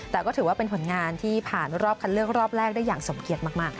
แต่ก็ถือว่าเป็นผลงานที่ผ่านรอบคันเลือกรอบแรกได้อย่างสมเกียจมาก